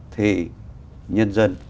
thì nhân dân